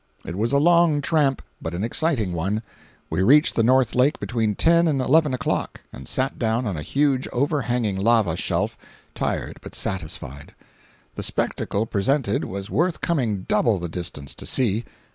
It was a long tramp, but an exciting one. We reached the North Lake between ten and eleven o'clock, and sat down on a huge overhanging lava shelf, tired but satisfied. The spectacle presented was worth coming double the distance to see.